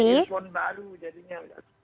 ini suara baru jadinya